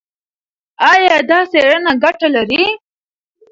ایا دا څېړنه ګټه لري؟